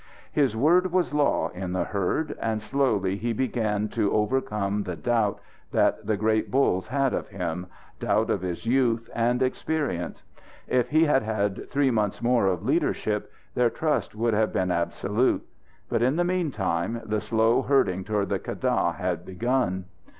His word was law in the herd. And slowly he began to overcome the doubt that the great bulls had of him doubt of his youth and experience. If he had had three months more of leadership, their trust would have been absolute. But in the meantime, the slow herding toward the keddah had begun.